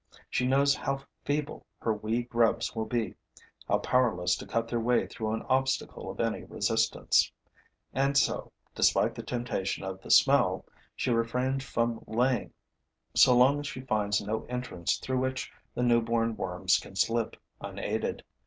She knows how feeble her wee grubs will be, how powerless to cut their way through an obstacle of any resistance; and so, despite the temptation of the smell, she refrains from laying so long as she finds no entrance through which the newborn worms can slip unaided.